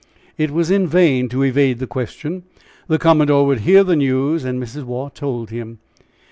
It was in vain to evade the question the commodore would hear the news. And Mrs. Waugh told him.